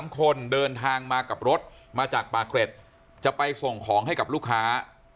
๓คนเดินทางมากับรถมาจากปากเกร็ดจะไปส่งของให้กับลูกค้า